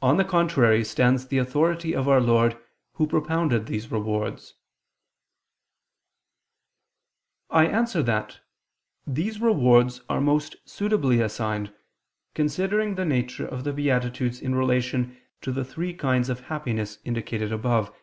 On the contrary, stands the authority of Our Lord Who propounded these rewards. I answer that, These rewards are most suitably assigned, considering the nature of the beatitudes in relation to the three kinds of happiness indicated above (A.